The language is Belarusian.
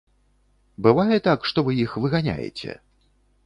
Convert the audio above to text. Бывае так, што вы іх выганяеце?